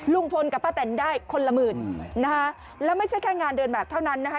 ลุงพลกับป้าแตนได้คนละหมื่นนะคะแล้วไม่ใช่แค่งานเดินแบบเท่านั้นนะคะ